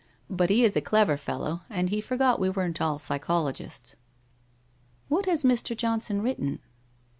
But he is a clever fellow, and he forgot we weren't all psychologists/ ' What has Mr. Johnson written